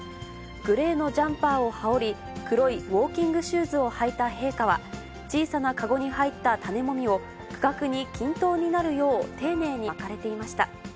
グレーのジャンパーをはおり、黒いウォーキングシューズを履いた陛下は、小さな籠に入った種もみを、区画に均等になるよう、丁寧にまかれていました。